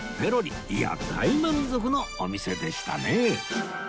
いや大満足のお店でしたね